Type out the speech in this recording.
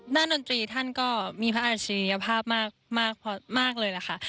ด้านดนตรีท่านก็มีพระอาชิริภาพมากเลยนะคะ